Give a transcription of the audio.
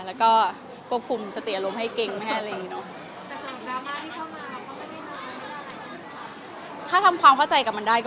หรือว่าต้องควบคุมความคิดของตัวเอง